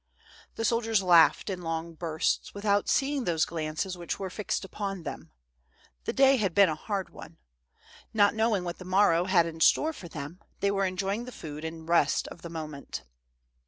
The soldiers laughed in long bursts, without seeing those glances which were fixed upon them. The day had been a hard one. Not knowing what the morrow had in store for them, they were enjoying the food and rest of the moment.